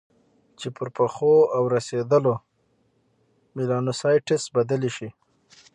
چې پر پخو او رسېدلو میلانوسایټس بدلې شي.